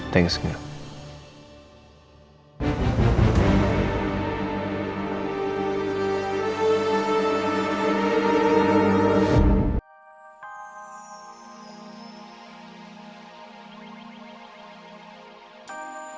terima kasih nggak